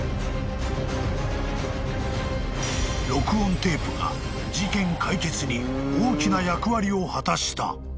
［録音テープが事件解決に大きな役割を果たした］